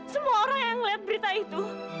semua orang yang melihat berita itu